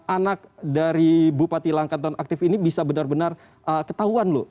anak dari bupati langkat nonaktif ini bisa benar benar ketahuan loh